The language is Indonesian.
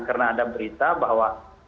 karena ada berita bahwa